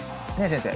先生。